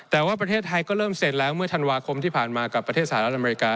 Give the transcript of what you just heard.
แต่ว่าประเทศไทยก็เริ่มเสร็จแล้วเมื่อธันวาคมที่ผ่านมากับประเทศสหรัฐอเมริกา